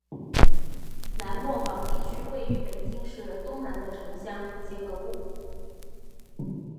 南磨房地区位于北京市东南的城乡结合部。